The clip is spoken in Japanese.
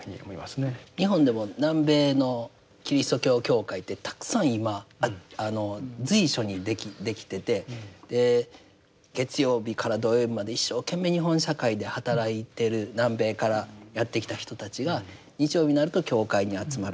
日本でも南米のキリスト教教会ってたくさん今随所にできてて月曜日から土曜日まで一生懸命日本社会で働いている南米からやって来た人たちが日曜日になると教会に集まる。